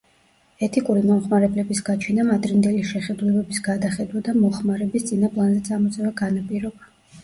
ეთიკური მომხმარებლების გაჩენამ ადრინდელი შეხედულებების გადახედვა და მოხმარების წინა პლანზე წამოწევა განაპირობა.